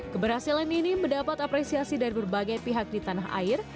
keberhasilan ini mendapat apresiasi dari berbagai pihak di tanah air